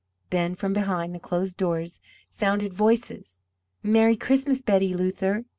Then from behind the closed doors sounded voices: "Merry Christmas, Betty Luther!"